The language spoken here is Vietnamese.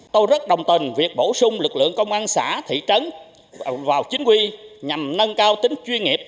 tôi rất đồng tình việc bổ sung lực lượng công an xã thị trấn vào chính quy nhằm nâng cao tính chuyên nghiệp